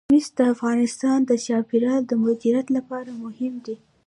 مس د افغانستان د چاپیریال د مدیریت لپاره مهم دي.